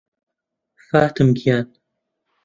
فاتم گیان